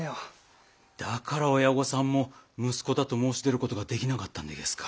だから親御さんも息子だと申し出ることができなかったんでげすか。